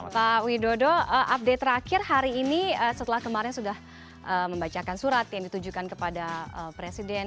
pak widodo update terakhir hari ini setelah kemarin sudah membacakan surat yang ditujukan kepada presiden